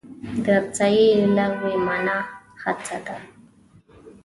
د سعې لغوي مانا هڅه ده.